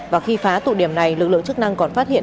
và khi phá tụ điểm này lực lượng chức năng còn phát hiện